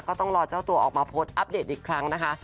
ก็ต้องรอเจ้าตัวออกมาโพสต์อัปเดตอีกครั้งนะคะ